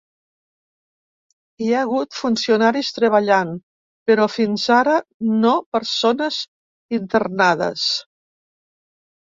Hi ha hagut funcionaris treballant però fins ara no persones internades.